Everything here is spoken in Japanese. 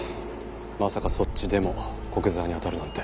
まさかそっちでも古久沢に当たるなんて。